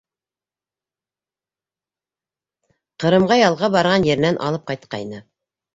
Ҡырымға ялға барған еренән алып ҡайтҡайны.